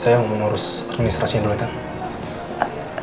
saya yang mau urus administrasinya dulu tante